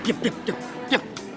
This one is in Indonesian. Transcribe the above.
diam diam diam